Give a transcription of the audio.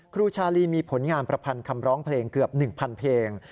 ครูชาลีมีผลงานประพันธ์คำร้องเพลงเกือบ๑๐๐เพลง